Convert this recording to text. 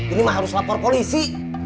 ini mah harus lapor polisi